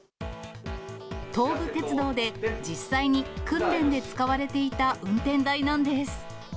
東武鉄道で、実際に訓練で使われていた運転台なんです。